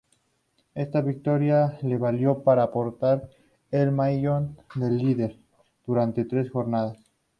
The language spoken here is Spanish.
Esta victoria le valió para portar el maillot de líder durante tres jornadas.